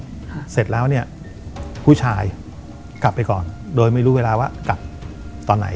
ค่ะเสร็จแล้วเนี้ยผู้ชายกลับไปก่อนโดยไม่รู้เวลาว่ากลับตอนไหน